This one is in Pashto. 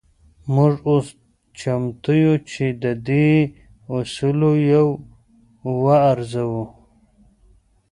موږ اوس چمتو يو چې د دې اصولو يو وارزوو.